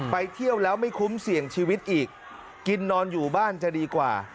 ไปเที่ยวแล้วไม่คุ้มเสี่ยงชีวิตอีกกินนอนอยู่บ้านจะดีกว่า